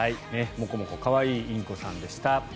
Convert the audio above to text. もこもこ可愛いインコさんでした。